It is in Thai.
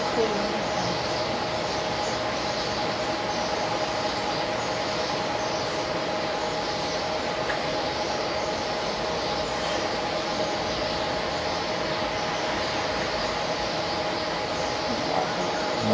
คุณรู้ไหมครับ